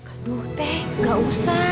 aduh tete gak usah